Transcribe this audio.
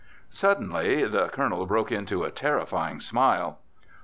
Suddenly the Colonel broke into a terrifying smile.